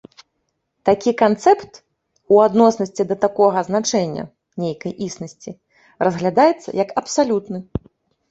Такі канцэпт, у адноснасці да такога значэння, нейкай існасці, разглядаецца як абсалютны.